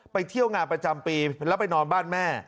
ไปเที่ยวงานประจำปีแล้วไปนอนบ้านแม่